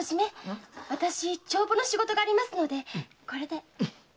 私帳簿の仕事がありますのでこれで。